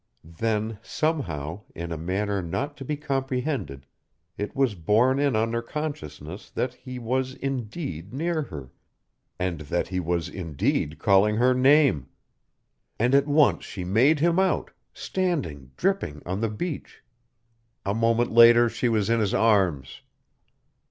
Then somehow, in a manner not to be comprehended, it was borne in on her consciousness that he was indeed near her, and that he was indeed calling her name. And at once she made him out, standing dripping on the beach. A moment later she was in his arms.